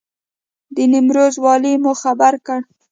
د نیمروز والي مو خبر کړ.